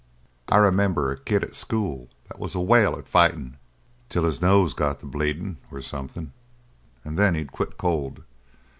I remember a kid at school that was a whale at fightin' till his nose got to bleedin', or something, and then he'd quit cold.